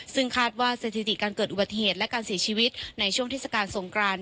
ซึ่งคาดว่าสถิติการเกิดอุบัติเหตุและการเสียชีวิตในช่วงเทศกาลสงกราน